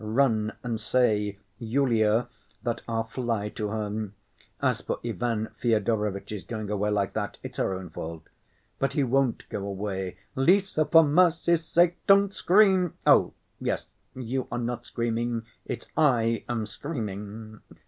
Run and say, Yulia, that I'll fly to her. As for Ivan Fyodorovitch's going away like that, it's her own fault. But he won't go away. Lise, for mercy's sake, don't scream! Oh, yes; you are not screaming. It's I am screaming.